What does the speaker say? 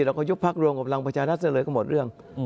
เราก็ยุบพักรวมกับพลังประชารัฐซะเลยก็หมดเรื่อง